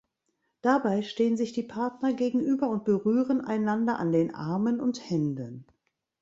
Dabei stehen sich die Partner gegenüber und berühren einander an den Armen und Händen.